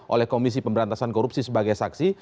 oleh komisi pemberantasan korupsi sebagai saksi